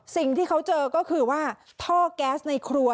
สิ่งที่เขาเจอก็คือว่าท่อแก๊สในครัว